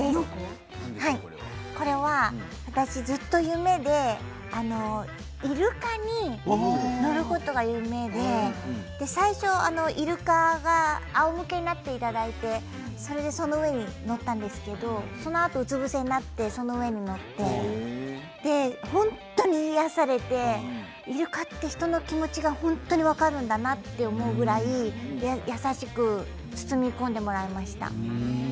これは私ずっと夢でイルカ乗ることが夢で最初イルカがあおむけになっていただいてその上に乗ったんですけどそのあとうつ伏せになってその上に乗って本当に癒やされてイルカって人の気持ちが本当に分かるんだなというぐらい優しく包み込んでもらいました。